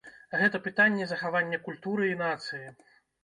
Гэта пытанне захавання культуры і нацыі.